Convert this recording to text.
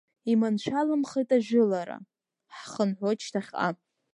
Иманшәаламхеит ажәылара, ҳхынҳәуеит шьҭахьҟа.